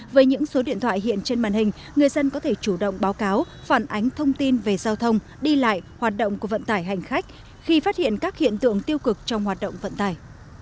với những số điện thoại hiện trên màn hình người dân có thể chủ động báo cáo phản ánh thông tin về giao thông đi lại hoạt động của vận tải hành khách khi phát hiện các hiện tượng tiêu cực trong hoạt động vận tải